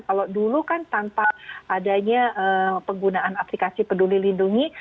kalau dulu kan tanpa adanya penggunaan aplikasi peduli lindungi